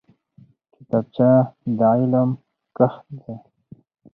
کتابچه د علم کښت دی